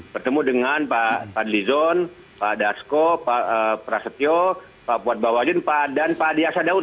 pertemu dengan pak adlizon pak dasko pak prasetyo pak buatbawajin dan pak adiasa daud